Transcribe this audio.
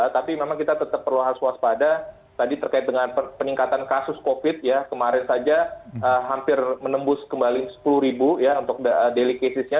tapi memang kita tetap perlu hasuas pada tadi terkait dengan peningkatan kasus covid sembilan belas kemarin saja hampir menembus kembali sepuluh ribu untuk daily cases nya